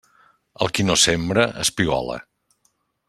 El qui no sembra, espigola.